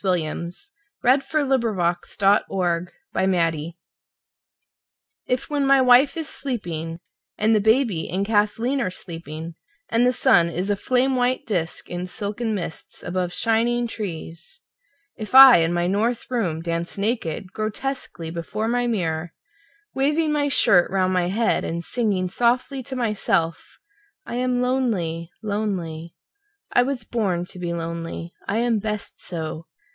William Carlos Williams Danse Russe IF when my wife is sleeping and the baby and Kathleen are sleeping and the sun is a flame white disc in silken mists above shining trees, if I in my north room dance naked, grotesquely before my mirror waving my shirt round my head and singing softly to myself: "I am lonely, lonely. I was born to be lonely, I am best so!"